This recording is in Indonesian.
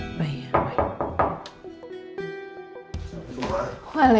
tidak apa apa ya